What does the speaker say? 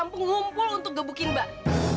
kampung ngumpul untuk gebukin mbak